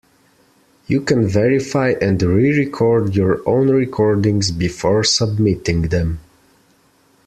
You can verify and re-record your own recordings before submitting them.